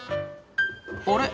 あれ？